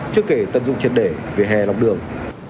trước kể tận dụng triệt để về hè lọc đường